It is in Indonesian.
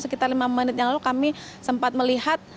sekitar lima menit yang lalu kami sempat melihat